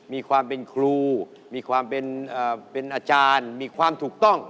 มีความเป็นครูมีความเป็นอาจารย์มีความถูกต้อง